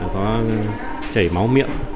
có chảy máu miệng